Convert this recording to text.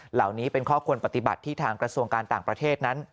เหล่านี้เป็นข้อควรปฏิบัติที่ทางกระทรวงการต่างประเทศนั้น